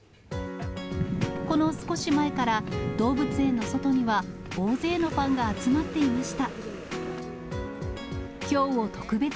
この少し前から、動物園の外には大勢のファンが集まっていました。